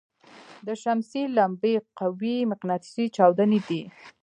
د شمسي لمبې قوي مقناطیسي چاودنې دي.